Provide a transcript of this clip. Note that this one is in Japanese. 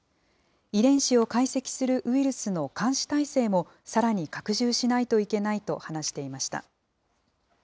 遺伝子を解析するウイルスの監視体制もさらに拡充しないといけないと話していました。